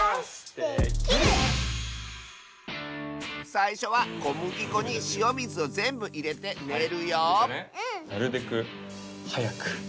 さいしょはこむぎこにしおみずをぜんぶいれてねるよなるべくはやく。